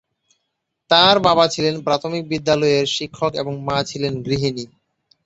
তাঁর বাবা ছিলেন প্রাথমিক বিদ্যালয়ের শিক্ষক এবং মা ছিলেন গৃহিণী।